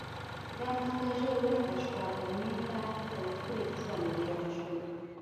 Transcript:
دا مسکا ژر ورکه شوه او مينې ته خپل تريخ ژوند ورياد شو